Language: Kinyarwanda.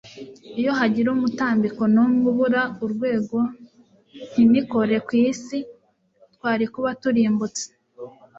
Iyo hagira umutambiko n'umwe ubura urwego ntinikore ku isi. twari kuba turimbutse.